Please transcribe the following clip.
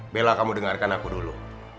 bela kamu dengarkan aku dulu